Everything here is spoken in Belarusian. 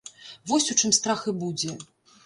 Вось у чым страх і будзе!